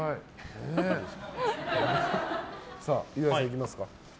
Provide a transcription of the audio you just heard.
岩井さん、いきますか。